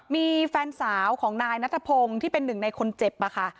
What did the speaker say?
มีแฟนสาวของนายนัทพงศ์ที่เป็นหนึ่งในคนเจ็บอะค่ะ